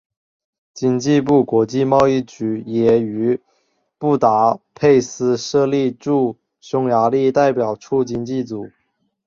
经济部国际贸易局也于布达佩斯设立驻匈牙利代表处经济组。